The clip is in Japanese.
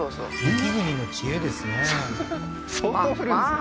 雪国の知恵ですね